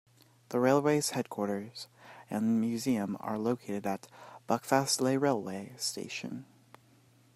The Railway's headquarters and museum are located at Buckfastleigh railway station.